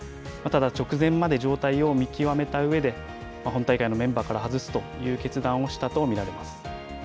ただ、直前まで状態を見極めた上で、本大会のメンバーから外すという決断をしたとみられます。